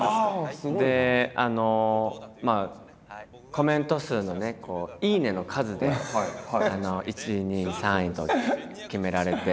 コメント数のね「いいね」の数で１位２位３位と決められて。